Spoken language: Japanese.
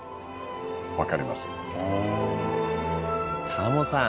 タモさん